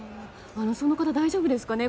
その方、大丈夫ですかね。